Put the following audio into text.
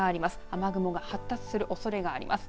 雨雲が発達するおそれがあります。